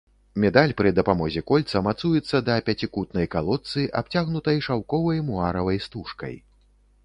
Медаль пры дапамозе кольца мацуецца да пяцікутнай калодцы, абцягнутай шаўковай муаравай стужкай.